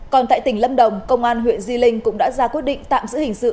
còn tại tỉnh lâm đồng công an huyện di linh cũng đã ra quyết định tạm giữ hình sự